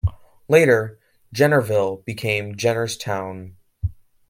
Later, Jennerville became Jennerstown.